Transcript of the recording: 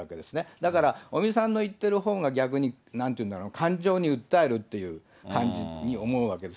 だから、尾身さんの言ってるほうが、逆になんていうんだろうな、感情に訴えるという感じに思うわけです。